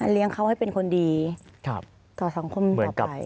เลี้ยงเขาให้เป็นคนดีต่อสังคมต่อไป